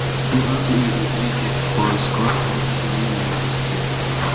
He also earned three caps for Scotland early in his career.